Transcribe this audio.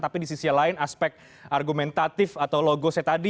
tapi di sisi lain aspek argumentatif atau logo saya tadi